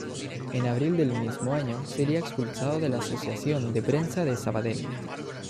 En abril del mismo año sería expulsado de la Asociación de Prensa de Sabadell.